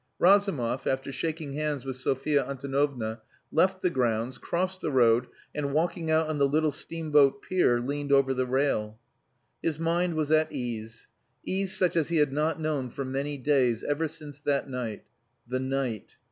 Razumov, after shaking hands with Sophia Antonovna, left the grounds, crossed the road, and walking out on the little steamboat pier leaned over the rail. His mind was at ease; ease such as he had not known for many days, ever since that night...the night.